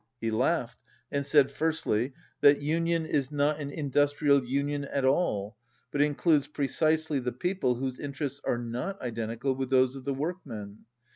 He laughed, and said: "Firstly, that union is not an industrial union at all, but includes precisely the people whose interests are not identical with those of the workmen.